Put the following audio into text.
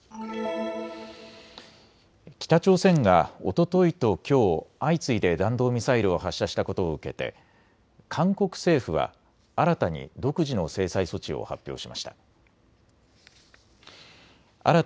北朝鮮がおとといときょう相次いで弾道ミサイルを発射したことを受けて韓国政府は新たに独自の制裁措置を発表しました。